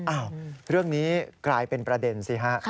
อ้าวเรื่องนี้กลายเป็นประเด็นสิฮะ